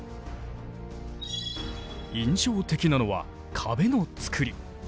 印象的なのは壁の造り。